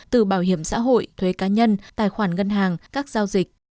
từ bảo hiểm xã hội thuế cá nhân tài khoản ngân hàng các giao dịch